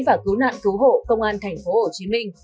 và cứu nạn cứu hộ công an thành phố hồ chí minh